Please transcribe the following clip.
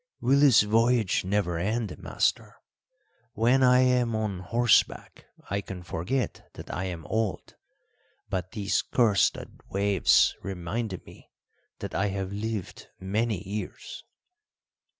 Will this voyage never end, master? When I am on horseback I can forget that I am old, but these cursed waves remind me that I have lived many years."